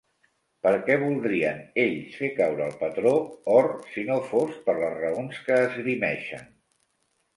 Per què voldrien ells fer caure el patró or si no fos per les raons que esgrimeixen?